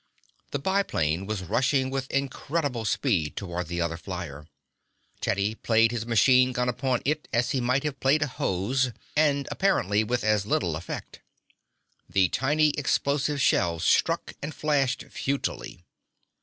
The biplane was rushing with incredible speed toward the other flyer. Teddy played his machine gun upon it as he might have played a hose, and apparently with as little effect. The tiny explosive shells struck and flashed futilely.